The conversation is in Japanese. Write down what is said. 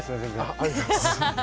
ありがとうございます。